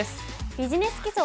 「ビジネス基礎」